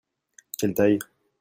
Quelle taille ?